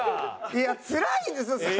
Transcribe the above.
いやつらいんですよ。